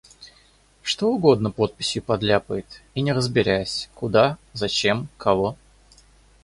Что угодно подписью подляпает, и не разберясь: куда, зачем, кого?